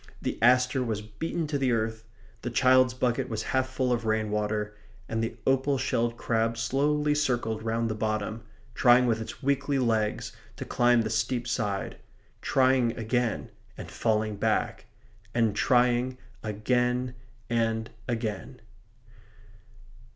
The aster was beaten to the earth. The child's bucket was half full of rainwater; and the opal shelled crab slowly circled round the bottom, trying with its weakly legs to climb the steep side; trying again and falling back, and trying again and again.